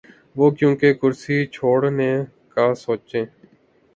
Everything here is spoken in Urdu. وہ کیونکر کرسی چھوڑنے کا سوچیں؟